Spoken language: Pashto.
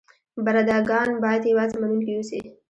برده ګان باید یوازې منونکي اوسي.